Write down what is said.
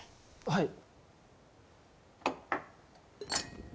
はい。